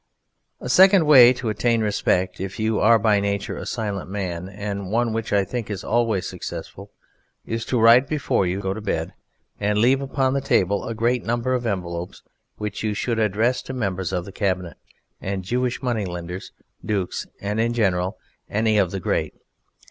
A second way to attain respect, if you are by nature a silent man, and one which I think is always successful, is to write before you go to bed and leave upon the table a great number of envelopes which you should address to members of the Cabinet, and Jewish money lenders, dukes, and in general any of the great.